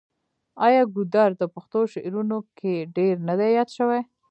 آیا ګودر د پښتو شعرونو کې ډیر نه دی یاد شوی؟